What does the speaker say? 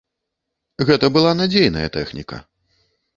Гэта была надзейная тэхніка.